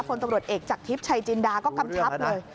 คนตำรวจเอกจากทิพย์ชัยจินดาก็กำชับเลย